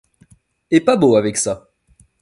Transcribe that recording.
Et pas beau avec ça!